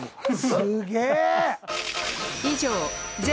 すげえ！